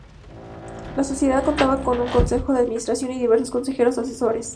La Sociedad contaba con un consejo de administración y diversos consejeros asesores.